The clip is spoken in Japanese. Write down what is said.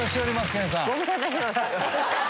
研さん。